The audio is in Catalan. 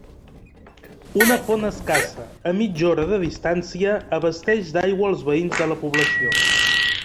Una font escassa, a mitja hora de distància, abasteix d'aigua els veïns de la població.